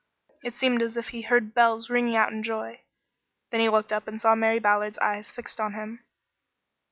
It seemed as if he heard bells ringing out in joy. Then he looked up and saw Mary Ballard's eyes fixed on him.